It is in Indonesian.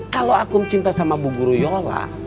kalau akum cinta sama bu guru yola